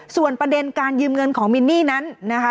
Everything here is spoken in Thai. ส่วนประเด็นการยืมเงินของมินนี่นั้นนะคะ